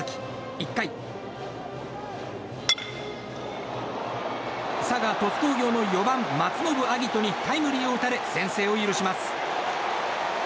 １回、佐賀・鳥栖工業の４番松延晶音にタイムリーを打たれ先制を許します。